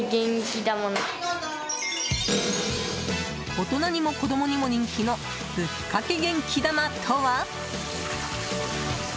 大人にも子供にも人気のぶっかけ元気玉とは？